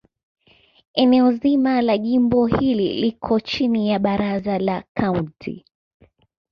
Eneo zima la jimbo hili liko chini ya Baraza la Kaunti.